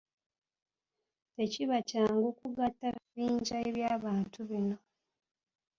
Tekiba kyangu kugatta bibinja eby’abantu bino.